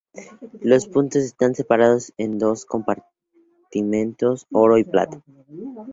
Los puntos están separados en dos compartimentos, oro y plata.